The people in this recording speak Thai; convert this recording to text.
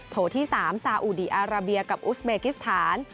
โถที่๓ซาอุดีอาราเบียกับอุสเบกิสถาน